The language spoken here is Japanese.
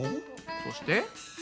そして？